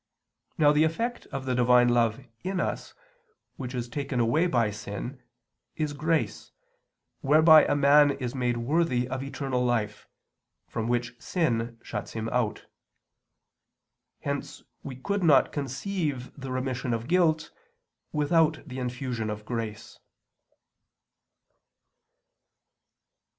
Now the effect of the Divine love in us, which is taken away by sin, is grace, whereby a man is made worthy of eternal life, from which sin shuts him out. Hence we could not conceive the remission of guilt, without the infusion of grace.